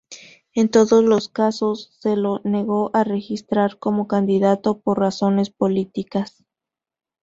En todos los casos, se lo negó a registrar como candidato por razones políticas.